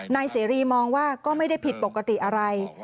นายเสรีมองว่าก็ไม่ได้ผิดปกติอะไร